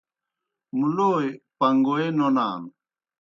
مُلوئے پݩگوئے نونان۔